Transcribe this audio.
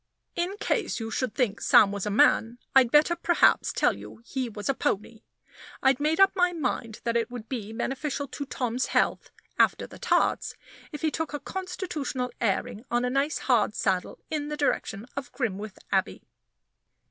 In case you should think Sam was a man, I'd better perhaps tell you he was a pony. I'd made up my mind that it would be beneficial to Tom's health, after the tarts, if he took a constitutional airing on a nice hard saddle in the direction of Grimwith Abbey.